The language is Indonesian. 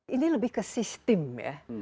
ini lebih ke sistem ya